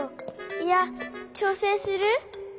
いやちょうせんする？